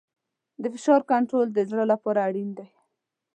د فشار کنټرول د زړه لپاره اړین دی.